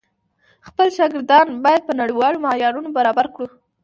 خپل شاګردان بايد په نړيوالو معيارونو برابر کړو.